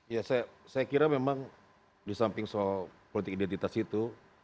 ya saya kira memang di samping soal politik identitas itu